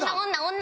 女！